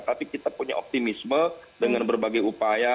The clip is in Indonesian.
tapi kita punya optimisme dengan berbagai upaya